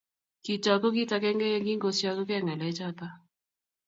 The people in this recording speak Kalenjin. kitooku kiit agenge yekingosiokukei ng'alechoto